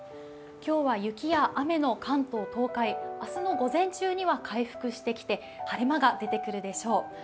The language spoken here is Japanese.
今日は雪や雨の関東、東海、明日の午前中には回復してきて晴れ間が出てくるでしょう。